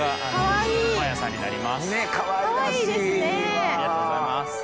ありがとうございます。